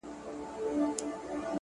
یوه ورځ په دې جرګه کي آوازه سوه.!